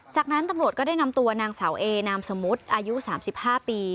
จากนั้นตำรวจก็ได้นำตัวนางสาวเอนามสมมุติอายุ๓๕ปี